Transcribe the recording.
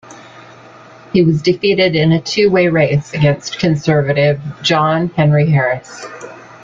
He was defeated in a two-way race against Conservative John Henry Harris.